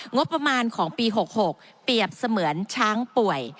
งบประมาณของปี๖๖เปรียบเสมือนช้างป่วย